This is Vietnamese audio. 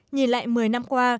nhìn lại một mươi năm qua